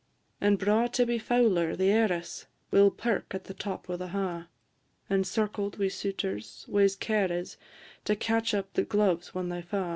And braw Tibby Fowler, the heiress, Will perk at the top o' the ha', Encircled wi' suitors, whase care is To catch up the gloves when they fa'.